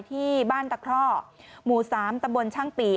ที่บ้านตะคร่อหมู่๓ตำบลช่างปี